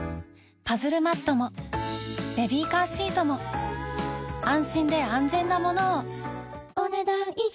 パズルマットもベビーカーシートも安心で安全なものをお、ねだん以上。